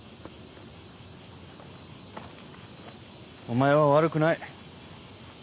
お前は悪くない。